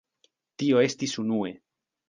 Tio estis unue.